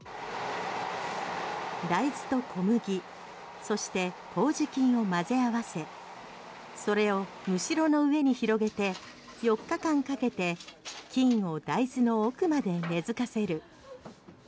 大豆と小麦そして麹菌を混ぜ合わせそれを、むしろの上に広げて４日間かけ菌を大豆の奥まで根付かせる。